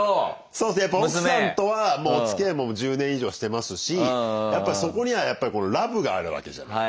そうですねやっぱ奥さんとはもうおつきあいも１０年以上してますしやっぱそこにはラブがあるわけじゃない。